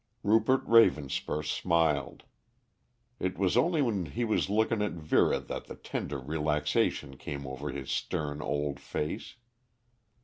Rupert Ravenspur smiled. It was only when he was looking at Vera that the tender relaxation came over his stern old face.